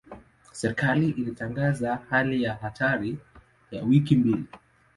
Serikali ilitangaza hali ya hatari ya wiki mbili.